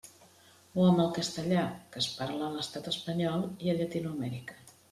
O amb el castellà, que es parla a l'estat espanyol i a Llatinoamèrica.